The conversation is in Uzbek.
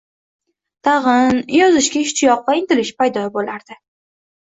Tag’in yozishga ishtiyoq va intilish paydo bo’lardi.